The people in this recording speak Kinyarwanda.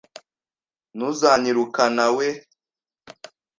Ntuzanyirukanawe, .